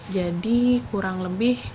jadi kurang lebih